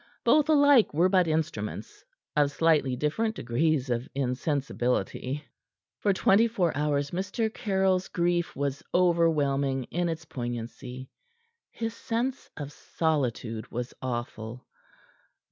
Both alike were but instruments, of slightly different degrees of insensibility. For twenty four hours Mr. Caryll's grief was overwhelming in its poignancy. His sense of solitude was awful.